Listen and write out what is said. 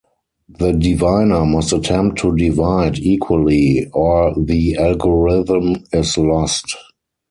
The diviner must attempt to divide equally, or the algorithm is lost.